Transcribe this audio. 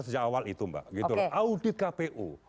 sejak awal itu mbak audit kpu